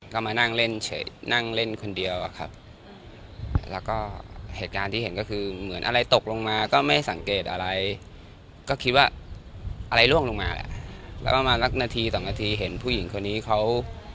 ก็มานั่งเล่นเฉยนั่งเล่นคนเดียวอะครับแล้วก็เหตุการณ์ที่เห็นก็คือเหมือนอะไรตกลงมาก็ไม่สังเกตอะไรก็คิดว่าอะไรล่วงลงมาแหละแล้วประมาณสักนาทีสองนาทีเห็นผู้หญิงคนนี้เขา